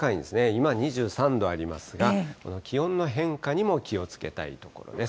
今２３度ありますが、この気温の変化にも気をつけたいところです。